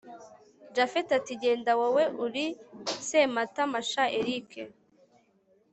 japhet ati genda wowe uri sematama sha erick